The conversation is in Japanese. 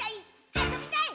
あそびたい！」